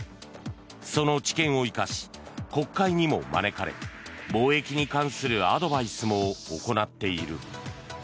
その知見を活かし国会にも招かれ貿易に関するアドバイスも行っている。